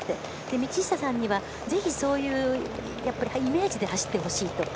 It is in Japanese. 道下さんには、ぜひ、そういうイメージで走ってほしいと。